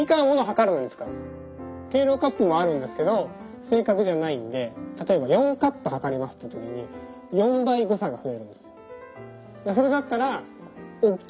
計量カップもあるんですけど正確じゃないんで例えば４カップ量りますっていう時に４倍誤差が増えるんです。